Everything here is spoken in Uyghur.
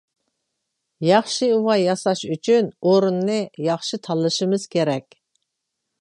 -ياخشى ئۇۋا ياساش ئۈچۈن ئورۇننى ياخشى تاللىشىمىز كېرەك.